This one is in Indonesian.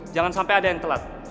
jangan sampai ada yang telat